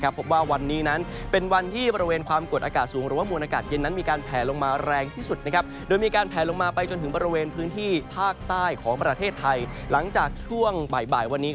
ก็คือเรื่องของบริเวณความกดอากาศสูงหรือว่ามวลอากาศเย็นจากประเทศจีน